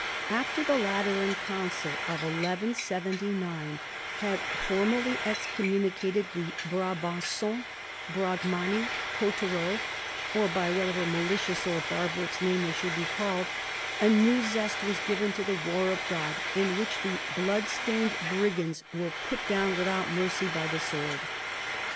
After the Lateran council of 1179 had formally excommuni cated the Braban<jons, Bragmanni, Cotteraux, or by what ever malicious or barbarous name they should be called, a new zest was given to the war of God in which the blood stained brigands were put down without mercy by the sword.